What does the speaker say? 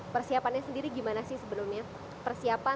persiapan terus kemudian